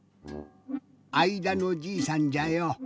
あいだのじいさんじゃよ。